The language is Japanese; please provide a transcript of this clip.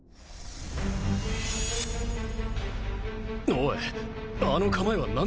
おいあの構えは何でえ？